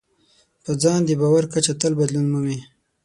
په ځان د باور کچه تل بدلون مومي.